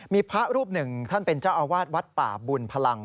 มีพระรูปหนึ่งท่านเป็นเจ้าอาวาสวัดป่าบุญพลัง